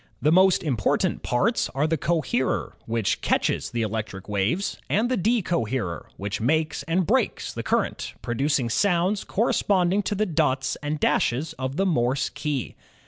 The most important parts are the coherer, which catches the electric waves, and the deco herer, which makes and breaks the current, producing sounds corresponding to the dots and dashes of the Morse key.